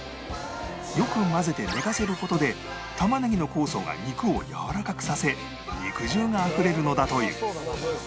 よく混ぜて寝かせる事で玉ねぎの酵素が肉をやわらかくさせ肉汁があふれるのだという